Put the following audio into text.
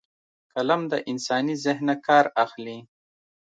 قلم له انساني ذهنه کار اخلي